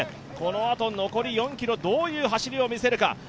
このあと残り４ｋｍ、どういう走りを見せるか。